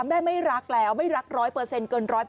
แม่ไม่รักแล้วไม่รักร้อยเปอร์เซ็นต์เกินร้อยเปอร์เซ็นต์ด้วย